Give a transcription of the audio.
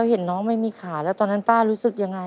เหมือนคนว่า